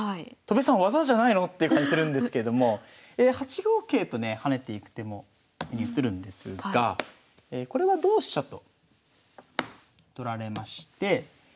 戸辺さん技じゃないの？っていう感じするんですけれども８五桂とね跳ねていく手に移るんですがこれは同飛車と取られまして